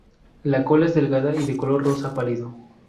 La cola es delgada y de un color rosa pálido.